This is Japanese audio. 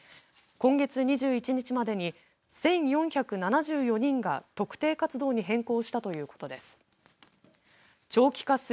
今月２１日までに１４７４人が特定活動に変更したということです。